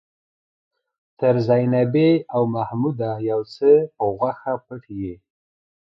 تر زينبې او محموده يو څه په غوښه پټ يې.